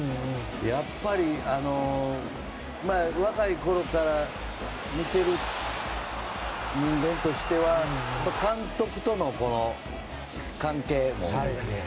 やっぱり若いころから見てる人間としては監督との関係もあって。